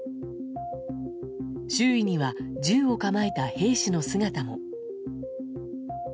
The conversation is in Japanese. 周囲には銃を構えた兵士の姿も。